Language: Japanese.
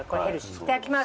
いただきます。